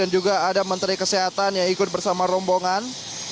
juga ada menteri kesehatan yang ikut bersama rombongan